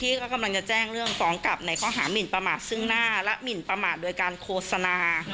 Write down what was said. กำลังจะแจ้งเรื่องฟ้องกลับในข้อหามินประมาทซึ่งหน้าและหมินประมาทโดยการโฆษณา